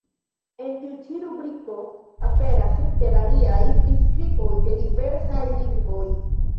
En tiu ĉi rubriko aperas, inter aliaj, priskriboj de diversaj lingvoj.